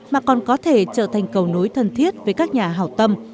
mà còn có thể trở thành cầu nối thân thiết với các nhà hào tâm